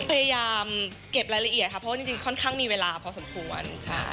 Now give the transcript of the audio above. พยายามเก็บรายละเอียดค่ะเพราะว่าจริงค่อนข้างมีเวลาพอสมควร